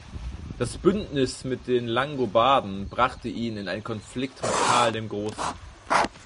Das Bündnis mit den Langobarden brachte ihn in einen Konflikt mit Karl dem Großen.